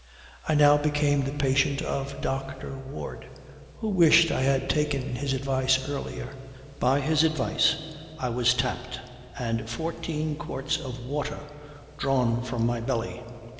I now became the patient of Dr. Ward, who wished I had taken his advice earlier. By his advice I was tapped, and fourteen quarts of water drawn from my belly.